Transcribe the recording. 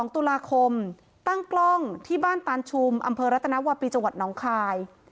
๒ตุลาคมตั้งกล้องที่บ้านตานชุมอำเภอรัตนวาปีจังหวัดน้องคาย